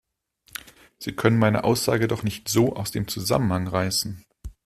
Sie können meine Aussage doch nicht so aus dem Zusammenhang reißen!